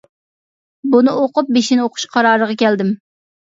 بۇنى ئوقۇپ بېشىنى ئوقۇش قارارىغا كەلدىم.